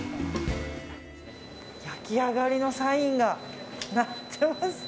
焼き上がりのサインが鳴ってます。